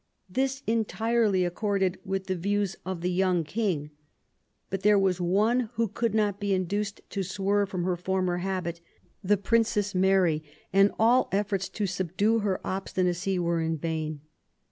This entirely accorded with the views of the young .King. But there was one who could not be induced to swerve from her former habit, the Princess Mary ; and all efforts to subdue her obstinacy were in vain.